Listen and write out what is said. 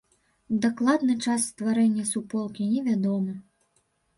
Дакладны час стварэння суполкі невядомы.